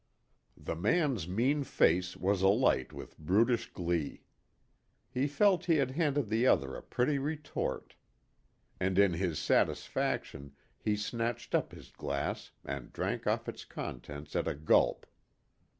The man's mean face was alight with brutish glee. He felt he had handed the other a pretty retort. And in his satisfaction he snatched up his glass and drank off its contents at a gulp.